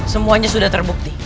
semuanya sudah terbukti